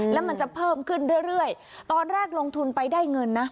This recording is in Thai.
แล้วมันจะเพิ่มขึ้นเรื่อยตอนแรกลงทุนไปได้เงินนะ